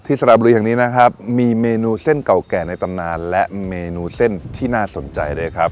สระบุรีแห่งนี้นะครับมีเมนูเส้นเก่าแก่ในตำนานและเมนูเส้นที่น่าสนใจเลยครับ